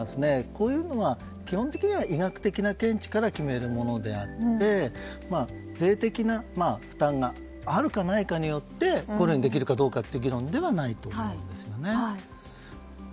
こういうのは基本的には医学的な見地から決めるものであって税的な負担があるかないかによって五類にできるかどうかという議論じゃないと思うんですよね。